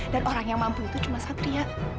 dan orang yang mampu itu cuma satria